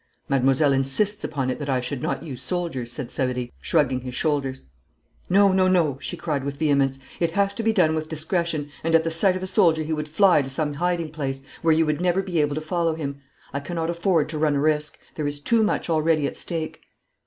'Mademoiselle insists upon it that I should not use soldiers,' said Savary, shrugging his shoulders. 'No, no, no,' she cried with vehemence. 'It has to be done with discretion, and at the sight of a soldier he would fly to some hiding place, where you would never be able to follow him. I cannot afford to run a risk. There is too much already at stake.'